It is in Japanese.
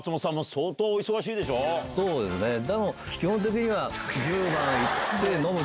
そうですねでも基本的には。